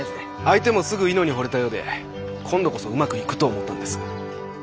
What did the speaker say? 相手もすぐ猪之にほれたようで今度こそうまくいくと思ったんです。